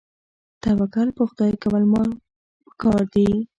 توکل په خدای کول پکار دي